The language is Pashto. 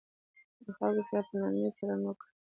له خلکو سره په نرمي چلند وکړئ.